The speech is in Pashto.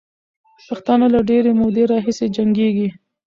پښتانه له ډېرې مودې راهیسې جنګېږي.